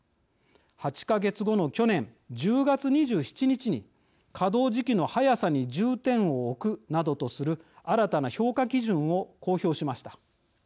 ８か月後の去年１０月２７日に稼働時期の早さに重点を置くなどとする新たな評価基準を公表しました。